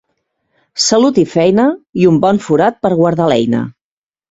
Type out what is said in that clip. Salut i feina, i un bon forat per guardar l'eina.